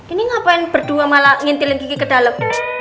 ini ngapain berdua malah ngintilin gigi ke dalam